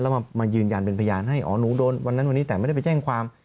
แล้วมายืนยันเป็นพยานให้อ๋อหนูโดนวันนั้นวันนี้แต่ไม่ได้ไปแจ้งความ